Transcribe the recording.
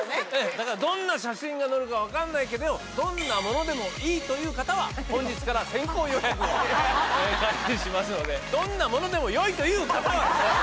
だからどんな写真が載るか分かんないけどどんなものでもいいという方は本日から先行予約を開始しますのでどんなものでもよいという方は。